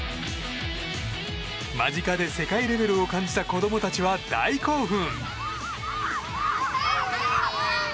間近で世界レベルを感じた子供たちは大興奮。